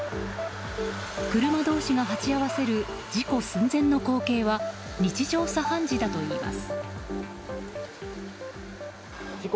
車同士が鉢合わせる事故寸前の光景は日常茶飯事だといいます。